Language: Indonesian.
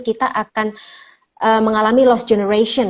kita akan mengalami lost generation